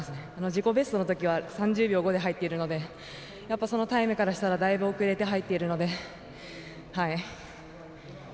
自己ベストのときは３０秒５で入っているのでそのタイムからしたらだいぶ遅れて入っているので、はい。